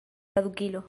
tradukilo